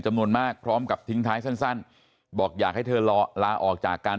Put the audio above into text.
พร้อมกับทิ้งท้ายสั้นบอกอยากให้เธอลาออกจากการ